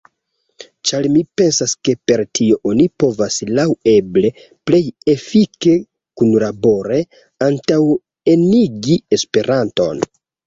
Ĉar mi pensas ke per tio oni povas laŭeble plej efike kunlabore antaŭenigi esperanton.